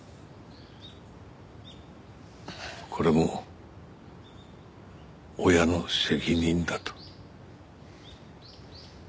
これも親の責任だと。